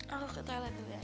aku ke toilet dulu ayah